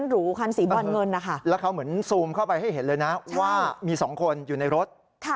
และยังมีมีสองคนอยู่ในรถ